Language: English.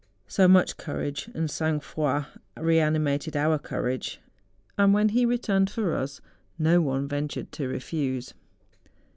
So much courage and sang froid re animated our courage, and when he returned for us no one ventured to refuse.